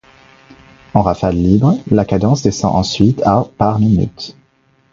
En rafales libres, la cadence descend ensuite à par minute.